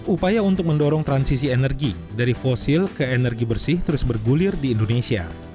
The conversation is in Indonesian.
upaya untuk mendorong transisi energi dari fosil ke energi bersih terus bergulir di indonesia